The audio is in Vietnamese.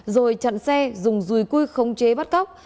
rồi chặn xe dùng dùi cui không chế bắt cóc